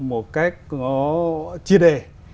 một cách có chia đề